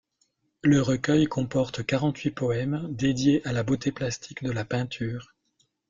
Le recueil comporte quarante-huit poèmes dédiés à la beauté plastique de la peinture.